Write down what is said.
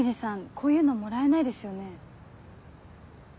こういうのもらえないですよね？